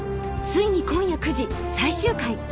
ついに今夜９時最終回！